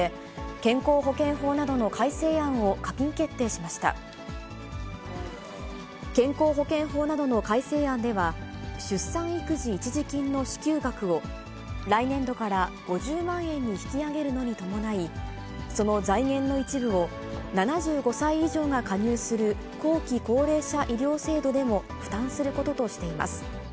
健康保険法などの改正案では、出産育児一時金の支給額を、来年度から５０万円に引き上げるのに伴い、その財源の一部を、７５歳以上が加入する後期高齢者医療制度でも負担することとしています。